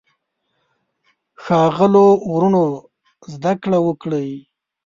ښاغلو وروڼو زده کړه وکړئ.